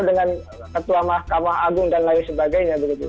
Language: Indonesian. dengan ketua mahkamah agung dan lain sebagainya begitu